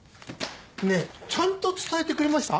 ねえちゃんと伝えてくれました？